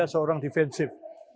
saya seorang defensive